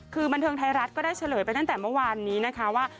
คือบันเทิงไทยรัฐก็ได้เฉลยไปตั้งแต่เมื่อวานนี้นะคะว่า